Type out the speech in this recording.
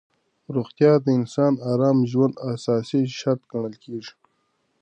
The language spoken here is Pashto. روغتیا د انسان د ارام ژوند اساسي شرط ګڼل کېږي.